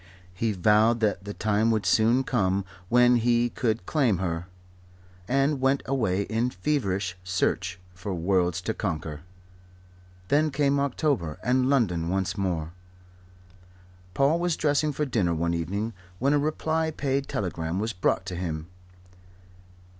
He vowed that the time would soon come when he could claim her, and went away in feverish search for worlds to conquer. Then came October and London once more. Paul was dressing for dinner one evening when a reply paid telegram was brought to him.